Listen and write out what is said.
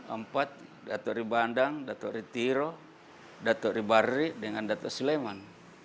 empat datuk ribandang datuk ritiro datuk ribarri dengan datuk suleman